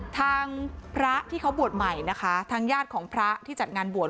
ทางพระที่เขาบวชใหม่นะคะทางญาติของพระที่จัดงานบวช